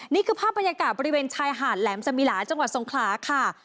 นี่คือภาพบรรยากาศบริเวณชายหาดแหลมสมิลาจังหวัดทรงขลาค่ะ